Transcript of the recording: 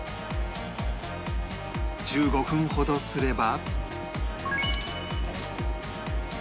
１５分ほどすれば